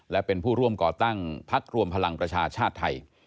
และเป็นผู้ร่วมก่อตั้งพักรวมพลังประชาชาติไทย